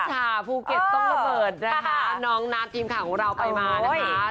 ร้อนฉ่าภูเก็ตต้องระเบิดนะคะน้องน้ำทีมของเราไปมานะคะ